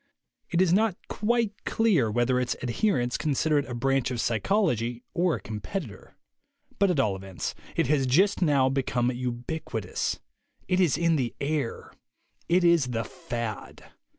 It is not quite clear whether its adherents consider it a branch of psychology or a competitor. But at all events, it has just now be come ubiquitous. It is in the air. It is the fad.